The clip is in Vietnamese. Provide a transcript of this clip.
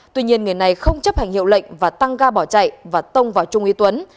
tuy nhiên người này không chấp hành hiệu lệnh và tăng ga bỏ chạy và tông vào trung y tuấn